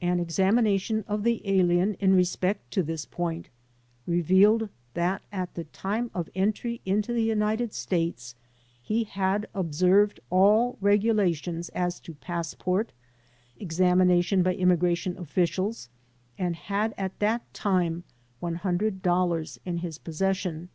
An examination of the alien in respect to this point revealed that at the time of entry into the "United States he had observed all regulations as to pass port, examination by immigration officials, and had at tliat time $100 in his possession.